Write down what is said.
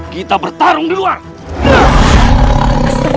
kita bertarung di luar